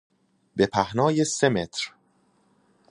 به پهنای سه متر